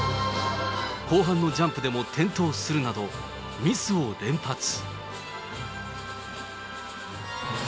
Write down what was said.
後半のジャンプでも転倒するなど、ミスを連発。